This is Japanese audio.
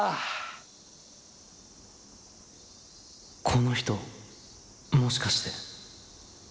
この人もしかして。